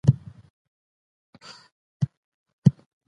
الله پاک زموږ په ژوند کي سکون او ارامي راولي.